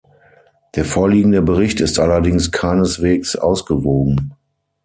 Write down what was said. Der vorliegende Bericht ist allerdings keineswegs ausgewogen.